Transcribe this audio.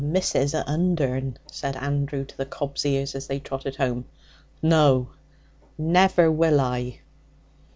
'A missus at Undern!' said Andrew to the cob's ears as they trotted home. 'No, never will I!'